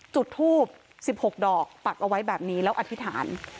จุดทูบ๑๖ดอกปักเอาไว้แบบนี้แล้วอธิษฐาน